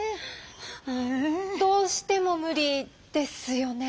どうしても無理ですよね？